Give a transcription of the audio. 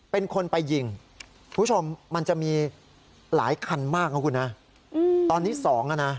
เป็นคนไปยิงคุณผู้ชมมันจะมีหลายคันมากนะคุณนะตอนนี้สองอ่ะนะ